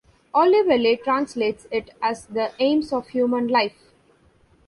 Olivelle translates it as the "aims of human life".